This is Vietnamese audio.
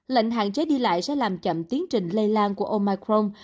lệnh hạn chế đi lại sẽ làm chậm tiến trình lây lan của omicron